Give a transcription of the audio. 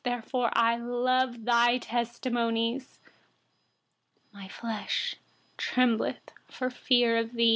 Therefore I love your testimonies. 120My flesh trembles for fear of you.